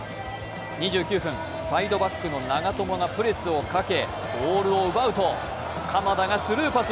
２９分、サイドバックの長友がプレスをかけボールを奪うと鎌田がスルーパス。